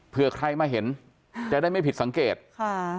เพื่อใครมาเห็นค่ะจะได้ไม่ผิดสังเกตค่ะ